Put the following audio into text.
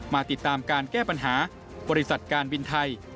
มาติดตามการแก้ปัญหาบริษัทการบินไทย